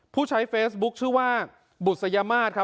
ผู้ใช้เฟซบุ๊คชื่อว่าบุษยมาศครับ